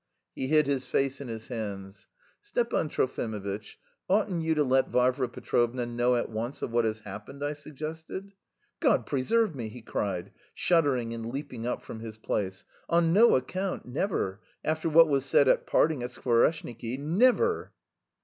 He hid his face in his hands. "Stepan Trofimovitch, oughtn't you to let Varvara Petrovna know at once of what has happened?" I suggested. "God preserve me!" he cried, shuddering and leaping up from his place. "On no account, never, after what was said at parting at Skvoreshniki never!"